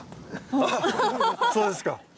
そうですか！